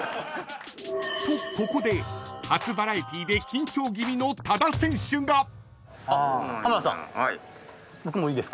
［とここで初バラエティーで緊張気味の多田選手が］